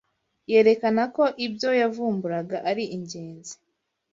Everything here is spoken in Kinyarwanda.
Yerekana ko ibyo yavumburaga ari ingenzi